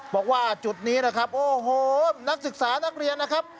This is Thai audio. บอกว่าจุดนี้นะครับโอ้โหนักศึกษานักเรียนนะครับ